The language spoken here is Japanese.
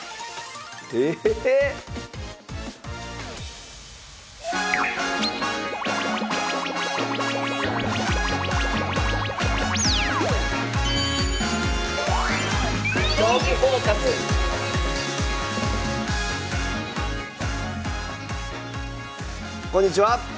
⁉ええ⁉こんにちは。